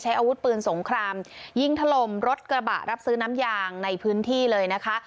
อาวุธปืนสงครามยิงถล่มรถกระบะรับซื้อน้ำยางในพื้นที่เลยนะคะ